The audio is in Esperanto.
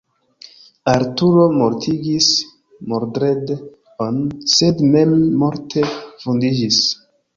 Arturo mortigis Mordred-on sed mem morte vundiĝis.